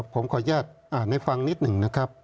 ผมขออนุญาตอ่านให้ฟังนิดหนึ่งนะครับ